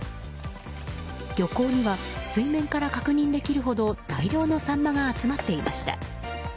漁港には水面から確認できるほど大量のサンマが集まっていました。